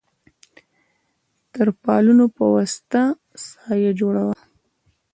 د تر پالونو په وسطه سایه جوړه وه.